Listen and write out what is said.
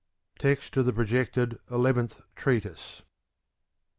Text of the projected eleventh treatise.